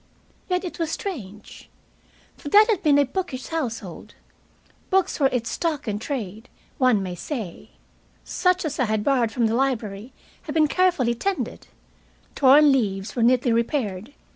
Yet it was strange. For that had been a bookish household. Books were its stock in trade, one may say. Such as I had borrowed from the library had been carefully tended. Torn leaves were neatly repaired.